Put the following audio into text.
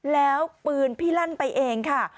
แล้วปืนพี่ลั่นไปเองค่ะ